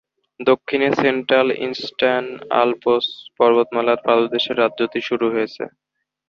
দক্ষিণে Central Eastern Alps পর্বতমালার পাদদেশে রাজ্যটির শুরু হয়েছে।